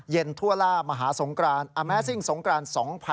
ทั่วล่ามหาสงกรานอาแมซิ่งสงกราน๒๐๑๖